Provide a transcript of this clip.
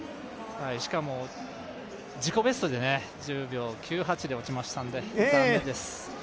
しかも、自己ベストで、１０秒９８で落ちましたんで、残念です。